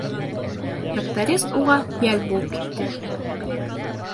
Тракторист уға йәл булып китте.